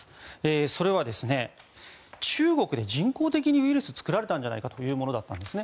それは、中国で人工的にウイルスが作られたんじゃないかというものだったんですね。